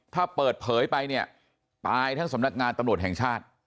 ถ้าเปิดเผยไปเนี่ยตายทั้งสำนักงานตำรวจแห่งชาติ